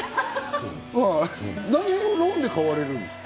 何をローンで買われるんですか？